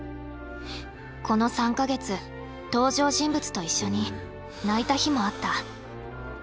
この３か月登場人物と一緒に泣いた日もあった。